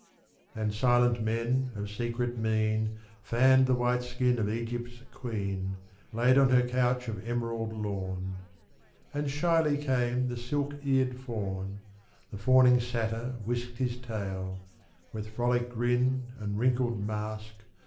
D 49 Porphyro. And silent men of secret mien, Fanned the white skin of Egypt's queen, Laid on her couch of emerald lawn. And shyly came the silk eared Faun, The fawning Satyr whisked his tail, With frolic grin and wrinkled mask.